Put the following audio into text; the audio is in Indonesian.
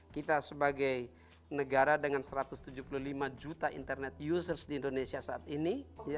kita sebagai negara dengan satu ratus tujuh puluh lima juta internet users di indonesia saat ini